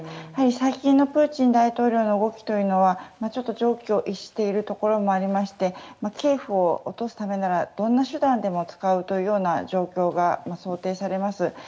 やはり最近のプーチン大統領の動きというのはちょっと常軌を逸しているところありましてキエフを落とすためならどんな手段でも使うというような状況が想定されます。